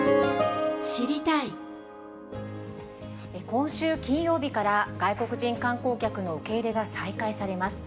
今週金曜日から、外国人観光客の受け入れが再開されます。